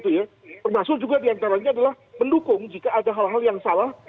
termasuk juga diantaranya adalah mendukung jika ada hal hal yang salah